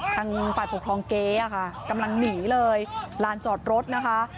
ทางฝ่ายปกครองเก๊ค่ะกำลังหนีเลยลานจอดรถนะคะ